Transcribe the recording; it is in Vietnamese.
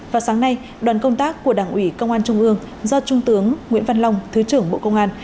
vào sáng nay đoàn công tác của đảng ủy công an trung ương do trung tướng nguyễn văn long thứ trưởng bộ công an